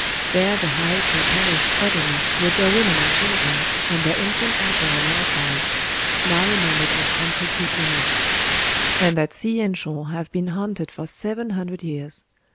There the Heiké perished utterly, with their women and children, and their infant emperor likewise—now remembered as Antoku Tennō. And that sea and shore have been haunted for seven hundred years...